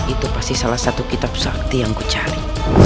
itu pasti salah satu kitab sakti yang aku cari